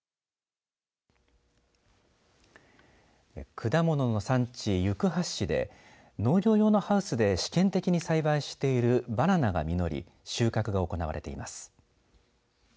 果物の産地、行橋市で農業用のハウスで試験的に栽培しているバナナが実り収穫が行われています。